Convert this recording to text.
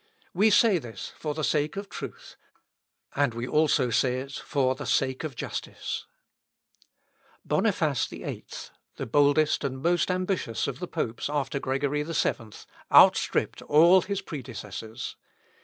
We say this for the sake of truth, and we also say it for the sake of justice. Boniface VIII, the boldest and most ambitious of the popes after Gregory VII, outstripped all his predecessors.